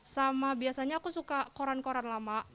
sama biasanya aku suka koran koran lama